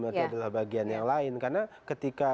nanti adalah bagian yang lain karena ketika